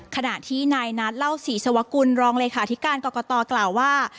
ขณะที่นายนัดเล่าสีสวกุลรองเหลือขาดิการก็กระต่อกล่าวว่า